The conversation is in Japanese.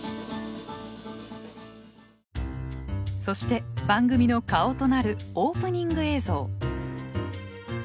そして番組の顔となるオープニング映像。